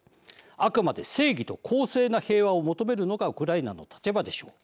あくまで正義と公正な平和を求めるのがウクライナの立場でしょう。